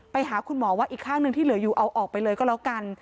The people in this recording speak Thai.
ไปหาคุณหมอว่าอีกข้างหนึ่งที่เหลืออยู่เอาออกไปเลยก็แล้วกัน